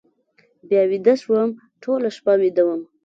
بیا ویده شوم، ټوله شپه ویده وم.